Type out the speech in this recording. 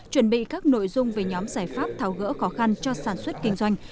chuẩn bị các nội dung về nhóm giải pháp tháo gỡ khó khăn cho sản xuất kinh doanh